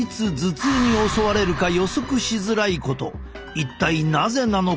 一体なぜなのか？